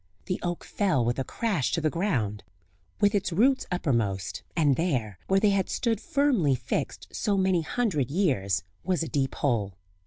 The oak fell with a crash to the ground, with its roots uppermost, and there, where they had stood firmly fixed so many hundred years, was a deep hole.